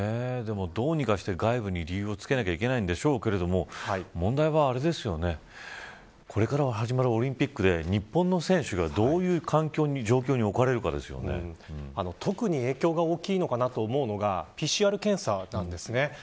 どうにかして外部に理由をつけないといけないんでしょうけど問題はこれから始まるオリンピックで日本の選手が、どういう特に影響が大きいのかなと思われるのはＰＣＲ検査なんです。